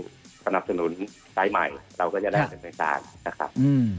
หาผู้สนับสนุนใต้ใหม่เราก็จะได้เป็นผู้สนุนต่างนะครับ